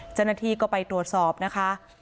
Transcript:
เจ้าหน้าที่ก็ไปตรวจสอบนะคะ